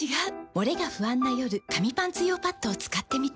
モレが不安な夜紙パンツ用パッドを使ってみた。